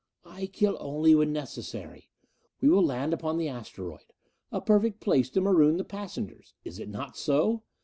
"I kill only when necessary. We will land upon the asteroid. A perfect place to maroon the passengers. Is it not so?